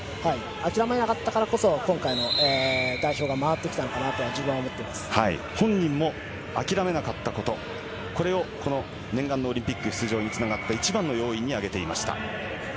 諦めなかったからこそ今回の代表が回ってきたと思ってい本人も諦めなかったこと、これを念願のオリンピック出場に繋がった一番の要因に挙げていました。